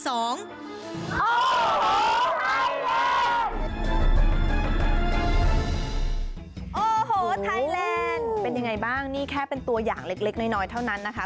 โอ้โหไทยแลนด์เป็นยังไงบ้างนี่แค่เป็นตัวอย่างเล็กน้อยเท่านั้นนะคะ